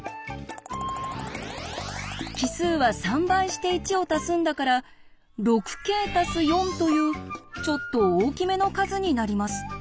奇数は３倍して１をたすんだから「６ｋ＋４」というちょっと大きめの数になります。